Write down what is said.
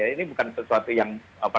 ini bukan sesuatu yang